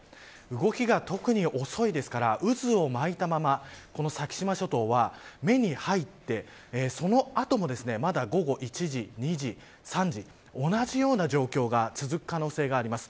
動きが特に遅いですから渦を巻いたまま先島諸島は目に入ってその後もまだ午後１時、２時３時、同じような状況が続く可能性があります。